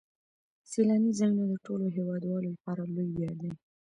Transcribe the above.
سیلاني ځایونه د ټولو هیوادوالو لپاره لوی ویاړ دی.